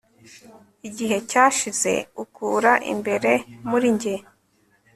Igihe cyashize ukura imbere muri njye